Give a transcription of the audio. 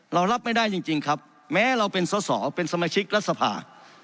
เรารับไม่ได้จริงครับแม้เราเป็นสอสอเป็นสมาชิกรัฐสภา